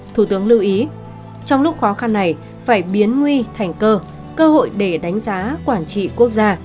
thủ tướng lưu ý trong lúc khó khăn này phải biến nguy thành cơ cơ hội để đánh giá quản trị quốc gia